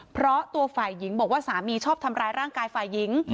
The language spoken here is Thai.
เพราะตัวฝ่ายหญิงบอกว่าสามีชอบทำร้ายร่างกายฝ่ายหญิง